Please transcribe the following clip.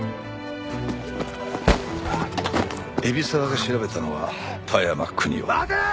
海老沢が調べたのは田山邦夫。